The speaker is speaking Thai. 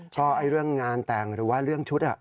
ชอบเรื่องงานแต่งหรือว่าเรื่องชุด